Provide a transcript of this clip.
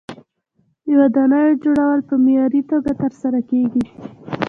د ودانیو جوړول په معیاري توګه ترسره کیږي.